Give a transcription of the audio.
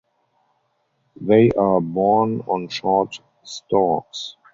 They are borne on short stalks.